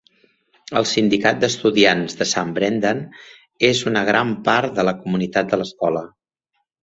El sindicat d'estudiants de Sant Brendan és una gran part de la comunitat de l'escola.